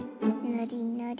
ぬりぬり。